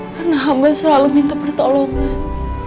karena hamba selalu minta pertolongan